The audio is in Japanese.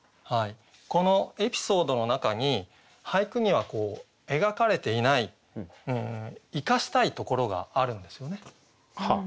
このエピソードの中に俳句には描かれていない生かしたいところがあるんですよね。